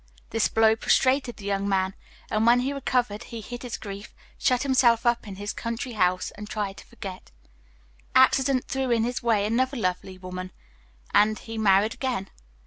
This blow prostrated the young man, and when he recovered he hid his grief, shut himself up in his country house, and tried to forget. Accident threw in his way another lovely woman, and he married again.